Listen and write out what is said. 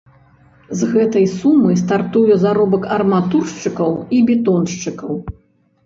З гэтай сумы стартуе заробак арматуршчыкаў і бетоншчыкаў.